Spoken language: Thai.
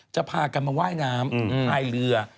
พากันมาว่ายน้ำพายเรือ